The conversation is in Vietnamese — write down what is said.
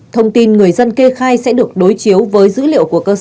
thông tin người dân kê khai sẽ được đối chiếu với dữ liệu của công dân